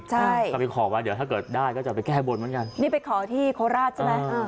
ใช่ก็ไปขอไว้เดี๋ยวถ้าเกิดได้ก็จะไปแก้บนเหมือนกันนี่ไปขอที่โคราชใช่ไหมอ่า